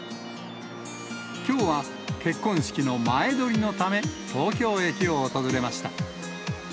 きょうは結婚式の前撮りのため、東京駅を訪れました。